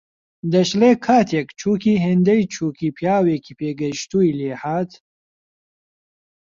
دەشڵێ کاتێک چووکی هێندەی چووکی پیاوێکی پێگەیشتووی لێهات